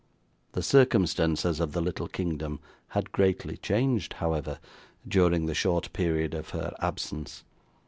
The circumstances of the little kingdom had greatly changed, however, during the short period of her absence.